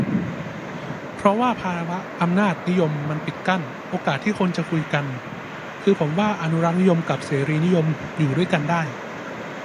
เพราะว่าภาวะอำนาจนิยมมันปิดกั้นโอกาสที่คนจะคุยกัน คือผมว่าอนุรักษนิยมกับเสรีนิยมอยู่ด้วยกันได้